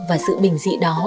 và sự bình dị đó